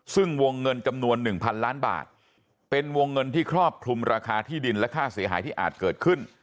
ซึ่งวงเงินจำนวน๑๐๐ล้านบาทเป็นวงเงินที่ครอบคลุมราคาที่ดินและค่าเสียหายที่อาจเกิดขึ้น